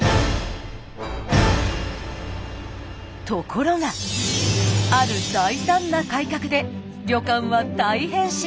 ところがある大胆な改革で旅館は大変身！